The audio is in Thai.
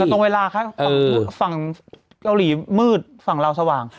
ตรงเวลาคะฝั่งเกาหลีมืดฝั่งเราสว่าง